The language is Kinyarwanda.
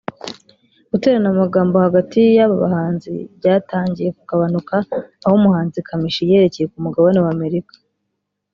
guterana amagambo hagati y’aba bahanzi byatangiye kugabanyuka aho umuhanzi Kamichi yerekeye ku mugabane wa Amerika